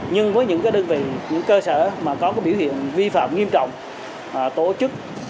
nhưng với những cơ sở có biểu hiện vi phạm nghiêm trọng tổ chức